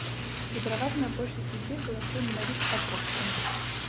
І пераважная большасць людзей галасуе менавіта па пошце.